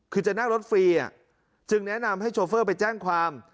คือจะนั่งรถฟรีจึงแนะนำให้โชเฟอร์ไปแจ้งความ